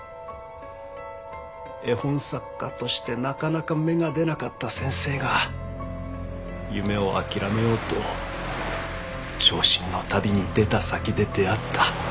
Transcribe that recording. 絵本作家としてなかなか芽が出なかった先生が夢を諦めようと傷心の旅に出た先で出会った。